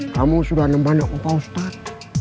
kamu sudah nembanak bapak ustadz